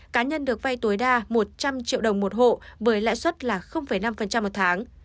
cá nhân được vay tối đa một trăm linh triệu đồng một hộ với lãi suất là năm một tháng